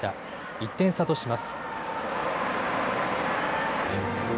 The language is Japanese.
１点差とします。